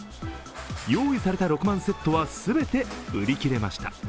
用意された６万セットは全て売り切れました。